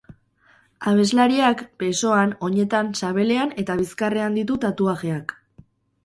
Abeslariak besoan, oinetan, sabelean, eta bizkarrean ditu tatuajeak.